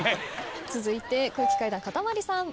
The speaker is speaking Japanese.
続いて空気階段かたまりさん。